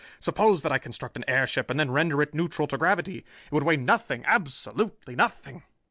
Suppose that I construct an airship and then render it neutral to gravity. It would weigh nothing, absolutely nothing!